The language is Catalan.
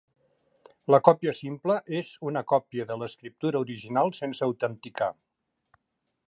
La còpia simple és una còpia de l'escriptura original sense autenticar.